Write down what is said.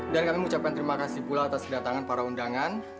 dan kami mengucapkan terima kasih pula atas kedatangan para undangan